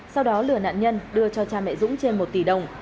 sau đó lừa nạn nhân đưa cho cha mẹ dũng trên một tỷ đồng